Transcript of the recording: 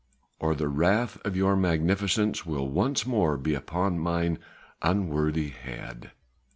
"Or the wrath of your Magnificence will once more be upon mine unworthy head.